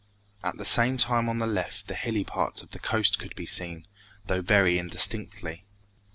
At the same time on the left the hilly parts of the coast could be seen, though very indistinctly.